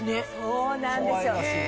そうなんですよ。